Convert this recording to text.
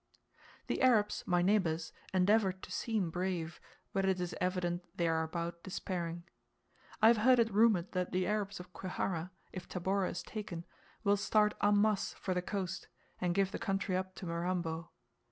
The Arabs, my neighbours, endeavour to seem brave, but it is evident they are about despairing; I have heard it rumoured that the Arabs of Kwihara, if Tabora is taken, will start en masse for the coast, and give the country up to Mirambo.